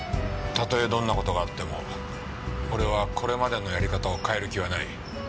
たとえどんな事があっても俺はこれまでのやり方を変える気はない。